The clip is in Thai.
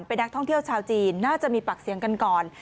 เป็นนักท่องเที่ยวชาวจีนน่าจะมีปากเสียงกันก่อน